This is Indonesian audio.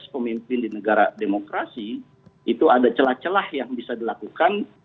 pemimpin di negara demokrasi itu ada celah celah yang bisa dilakukan